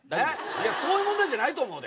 いやそういう問題じゃないと思うで。